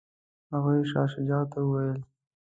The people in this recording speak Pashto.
هغوی شاه شجاع ته وویل.